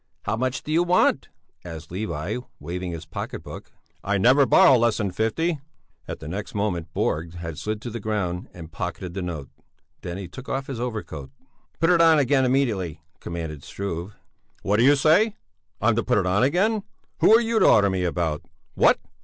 "How much do you want?" asked Levi, waving his pocket book. "I never borrow less than fifty!" At the next moment Borg had slid to the ground and pocketed the note. Then he took off his overcoat. "Put it on again immediately!" commanded Struve. "What do you say? I'm to put it on again? Who are you to order me about? What?